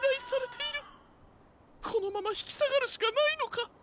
このままひきさがるしかないのか？